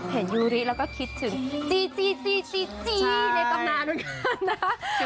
เห็นยูรีแล้วก็คิดถึงจี้ในกรรมนานเหมือนกัน